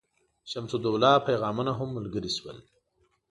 شمس الدوله پیغامونه هم ملګري شول.